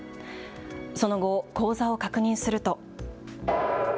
その後、口座を確認すると。